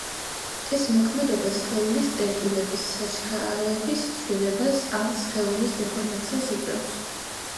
ეს მოქმედება სხეულის წერტილების სიჩქარეების ცვლილებას ან სხეულის დეფორმაციას იწვევს.